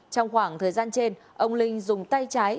trong khoảng thời gian trên ông linh dùng tay trái